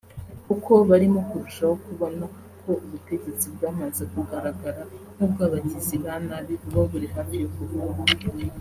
kuko barimo kurushaho kubona ko ubutegetsi bwamaze kugaragara nk’ubw’abagizi ba nabi buba buri hafi yo kuvaho